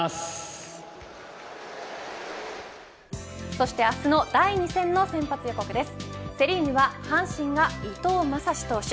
そして明日の第２戦の先発予告です。